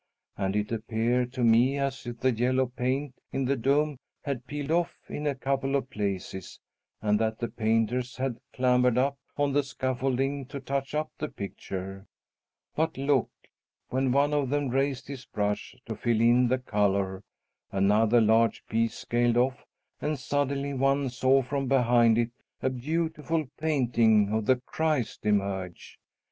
And it appeared to me as if the yellow paint in the dome had peeled off in a couple of places and that the painters had clambered up on the scaffolding to touch up the picture. But, look! when one of them raised his brush to fill in the color, another large piece scaled off, and suddenly one saw from behind it a beautiful painting of the Christ emerge.